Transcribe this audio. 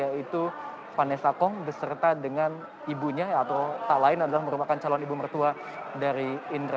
dan juga kekasih dari indrakens yaitu vanessa kong beserta dengan ibunya atau tak lain adalah merupakan calon ibu mertua dari indrakens itu sendiri